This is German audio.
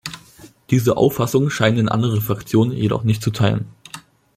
Diese Auffassung scheinen andere Fraktion jedoch nicht zu teilen.